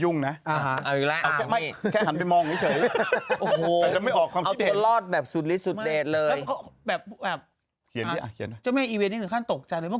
ยังไม่ภรรณากับพี่ม้าของคุณคลายคุณเขียนม่ะ